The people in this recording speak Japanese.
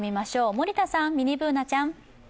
森田さん、ミニＢｏｏｎａちゃん。